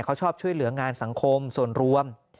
เขาชอบช่วยเหลืองานสังคมส่วนรวม